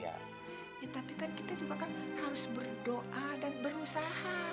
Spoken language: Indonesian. tapi kan kita juga kan harus berdoa dan berusaha